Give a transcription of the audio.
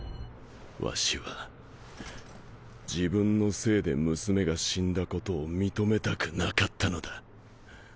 ワシは自分のせいで娘が死んだことを認めたくなかったのだ。